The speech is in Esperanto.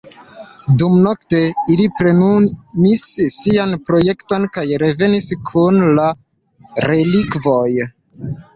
Dumnokte, ili plenumis sian projekton kaj revenis kun la relikvoj.